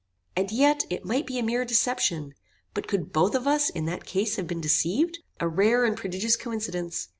"And yet it might be a mere deception. But could both of us in that case have been deceived? A rare and prodigious coincidence!